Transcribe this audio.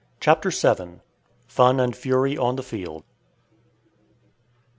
CHAPTER VII. FUN AND FURY ON THE FIELD.